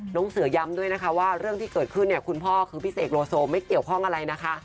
น้องเสือย้ำด้วยนะคะว่าเรื่องที่เกิดขึ้นเนี่ยคุณพ่อคือพี่เสกโลโซไม่เกี่ยวข้องอะไรนะคะ